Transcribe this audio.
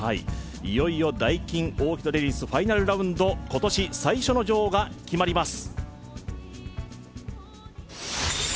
いよいよダイキンオーキッドレディスファイナルラウンド今年最初の女王が決まります。